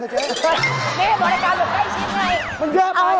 พี่ขอโทษด้วยพอดีนี่แม่พี่เป็นยิ่งคน